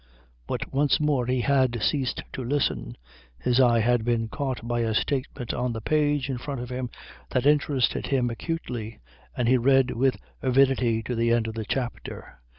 But once more he had ceased to listen. His eye had been caught by a statement on the page in front of him that interested him acutely, and he read with avidity to the end of the chapter.